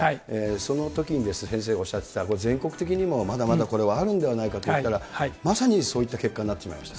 そのときに先生おっしゃってた、全国的にもまだまだこれはあるんではないかと言ったら、まさにそういった結果になってしまいました。